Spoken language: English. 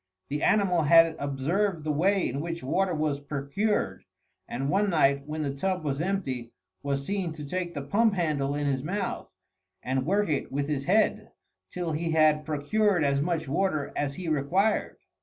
The animal had observed the way in which water was procured, and one night, when the tub was empty, was seen to take the pump handle in his mouth, and work it with his head till he had procured as much water as he required.